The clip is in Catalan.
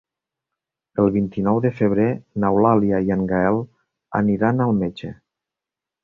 El vint-i-nou de febrer n'Eulàlia i en Gaël aniran al metge.